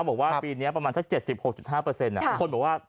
บอกว่าปีนี้ประมาณสัก๗๖๕คนบอกว่า